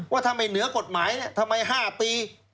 ว่าทำไมเหนือกฎหมายทำไม๕ปี